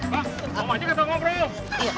bang mama juga gak tahu ngobrol yuk